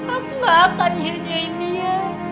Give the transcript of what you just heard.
aku nggak akan nyirjain dia